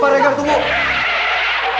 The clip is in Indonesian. pak reger tunggu